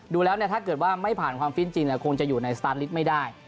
ดูแล้วถ้าเกิดว่าไม่ผ่านความฟินจริงคงจะอยู่ในสตาร์ทลิสต์ไม่ได้